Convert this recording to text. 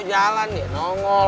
taruh mau jalan dia nongol